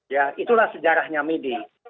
ya itulah sejarahnya may day